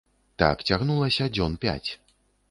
Так цягнулася дзён пяць.